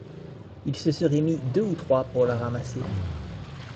Ils se seraient mis deux ou trois pour la ramasser.